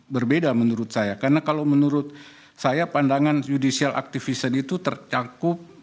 berbeda menurut saya karena kalau menurut saya pandangan judicial activison itu tercakup